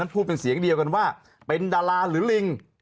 พูดเป็นเสียงเดียวกันว่าเป็นดาราหรือลิง